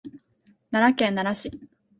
奈良県奈良市